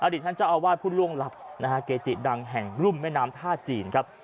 ท่านเจ้าอาวาสผู้ล่วงลับนะฮะเกจิดังแห่งรุ่มแม่น้ำท่าจีนครับ